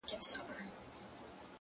ته چي قدمونو كي چابكه سې ـ